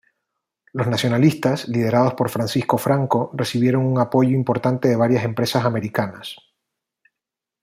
Los nacionalistas, liderados por Francisco Franco, recibieron un apoyo importante de varias empresas americanas.